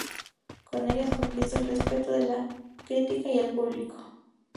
Con ellas conquistó el respeto de la crítica y el público.